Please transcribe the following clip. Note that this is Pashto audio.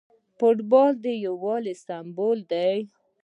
فوټبال د یووالي سمبول دی.